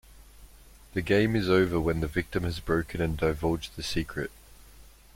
The game is over when the victim has broken and divulged the secret.